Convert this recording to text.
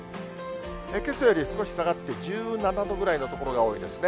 けさより少し下がって、１７度ぐらいの所が多いですね。